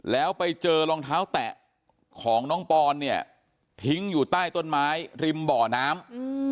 แล้วไปเจอรองเท้าแตะของน้องปอนเนี่ยทิ้งอยู่ใต้ต้นไม้ริมบ่อน้ำ